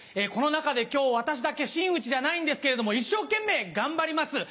この中で今日私だけ真打ちじゃないんですけれども一生懸命頑張ります。